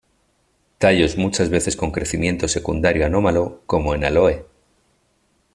Tallos muchas veces con crecimiento secundario anómalo, como en "Aloe".